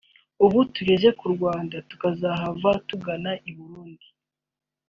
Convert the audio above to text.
ubu tugeze ku Rwanda tukazahava tugana i Burundi”